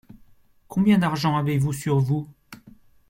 Combien d’argent avez-vous sur vous ?